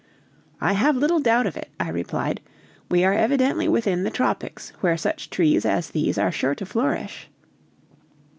"I have little doubt of it," I replied, "we are evidently within the tropics, where such trees as these are sure to flourish.